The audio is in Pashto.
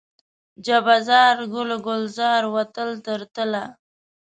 جبه زار، ګل و ګلزار و تل تر تله